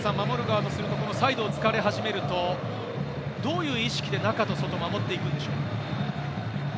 守る側とすると、サイドを突かれ始めると、どういう意識で中と外を守っていくんでしょう